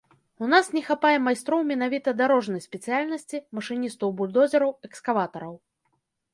У нас не хапае майстроў менавіта дарожнай спецыяльнасці, машыністаў бульдозераў, экскаватараў.